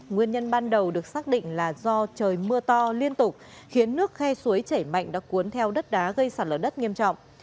nguyên nhân ban đầu được xác định là do trời mưa to liên tục khiến nước khe suối chảy mạnh đã cuốn theo đất đá gây sạt lở đất nghiêm trọng